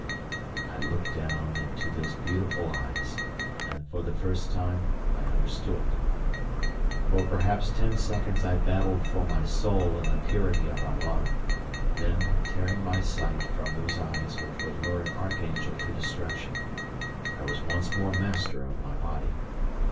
I looked down into those beautiful eyes, and for the first time I understood. For perhaps ten seconds I battled for my soul and the purity of our love; then, tearing my sight from those eyes which would lure an archangel to destruction, I was once more master of my body.